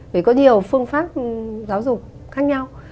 vì có nhiều phương pháp giáo dục khác nhau